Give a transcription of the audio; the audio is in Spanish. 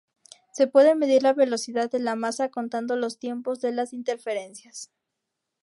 Se puede medir la velocidad de la masa contando los tiempos de las interferencias.